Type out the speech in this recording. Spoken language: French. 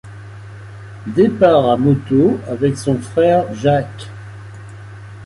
Départ, à moto, avec son frère Jacques.